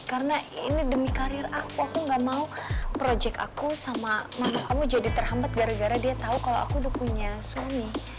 karena ini demi karir aku aku ga mau project aku sama mami kamu jadi terhambat gara gara dia tau kalo aku udah punya suami